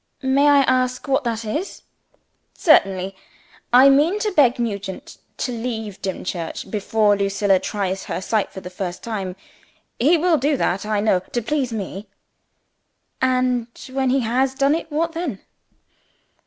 "May I ask what it is?" "Certainly. I mean to beg Nugent to leave Dimchurch, before Lucilla tries her sight for the first time. He will do that, I know, to please me." "And when he has done it, what then?"